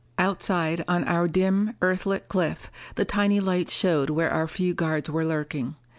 Outside on our dim, Earthlit cliff, the tiny lights showed where our few guards were lurking.